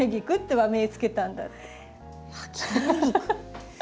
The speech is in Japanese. はい。